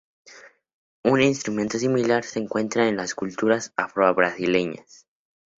Un instrumento similar se encuentra en las culturas Afro-Brasileñas.